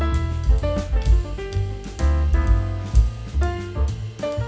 oke terus ya